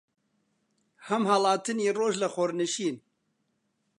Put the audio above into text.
هەم هەڵاتنی ڕۆژ لە خۆرنشین